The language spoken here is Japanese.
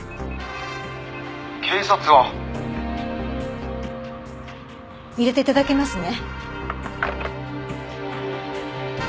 「警察は」入れて頂けますね？